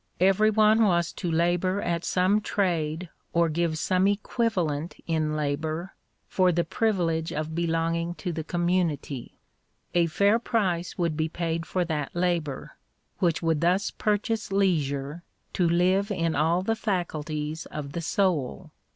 Every one was to labour at some trade or give some equivalent in labour for the privilege of belonging to the community: a fair price would be paid for that labour, which would thus purchase leisure to live in all the faculties of the soul.